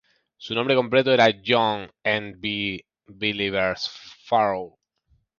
Su nombre completo era John N. B. Villiers-Farrow.